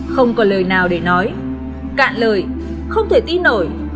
không còn lời nào để nói cạn lời không thể tin nổi